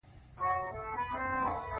جیني هغه کړنلاره چې ځینو ګټو سره تعامل نه کوي